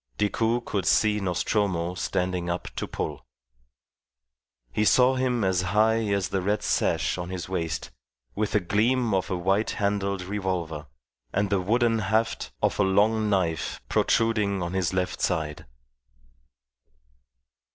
Decoud could see Nostromo standing up to pull. He saw him as high as the red sash on his waist, with a gleam of a white handled revolver and the wooden haft of a long knife protruding on his left side.